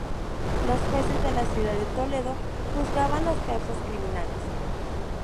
Los jueces de la ciudad de Toledo juzgaban las causas criminales.